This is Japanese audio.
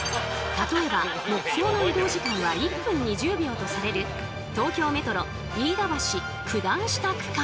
例えば目標の移動時間は１分２０秒とされる東京メトロ飯田橋九段下区間。